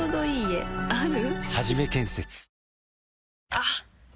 あっ！